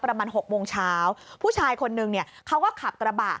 ประมาณหกโมงเช้าผู้ชายคนนึงเนี่ยเขาก็ขับกระบะ